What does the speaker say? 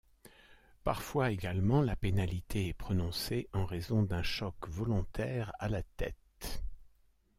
Parfois également la pénalité est prononcée en raison d'un choc volontaire à la tête.